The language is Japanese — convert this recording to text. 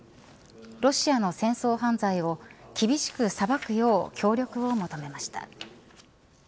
ロシアの戦争犯罪を厳しく裁くよう協力を求めました。